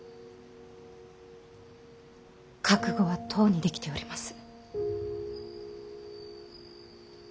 覚悟はとうにできております。